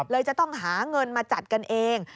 เลยจะต้องหาเงินมาจัดกันเอง